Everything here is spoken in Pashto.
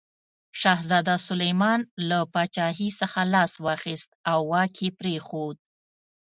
شهزاده سلیمان له پاچاهي څخه لاس واخیست او واک یې پرېښود.